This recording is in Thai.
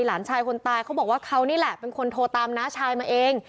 หลานชายคนตายเขาบอกว่าเขานี่แหละเป็นคนโทรตามน้าชายมาเอง